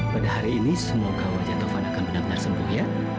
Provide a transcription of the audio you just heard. pada hari ini semoga wajah tovan akan benar benar sembuh ya